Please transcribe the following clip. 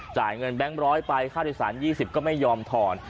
จ่ายเงินแบงค์ร้อยไปค่าโดยสาร๒๐ก็ไม่ยอมถอน